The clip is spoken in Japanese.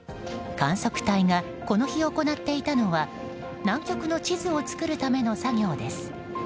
観測隊がこの日、行っていたのは南極の地図を作るための作業です。